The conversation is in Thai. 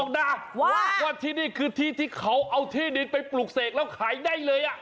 บอกว่าที่นี่คือที่ที่เขาเอาที่ดินไปปลูกเสกแล้วขายได้เลย